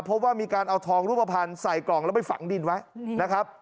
เพราะว่ามีการเอาทองรูปภัณฑ์ใส่กล่องแล้วไปฝังดินไว้นะครับ